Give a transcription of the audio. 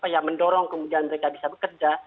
yang mendorong kemudian mereka bisa bekerja